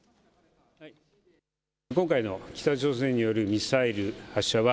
今回の北朝鮮によるミサイル発射は、